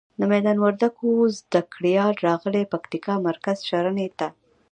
د میدان وردګو زده ګړالیان راغلي پکتیکا مرکز ښرنی ته.